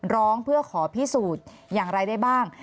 ร้องเพื่อขอพิสูจน์อย่างไรได้บ้าง